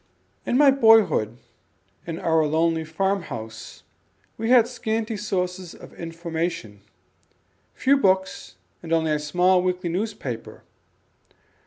In my boyhood, in our lonely farm house, we had scanty sources of information; few books and only a small weekly newspaper.